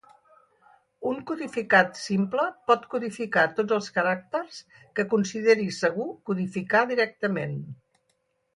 Un codificat simple pot codificar tots els caràcters que consideri segur codificar directament.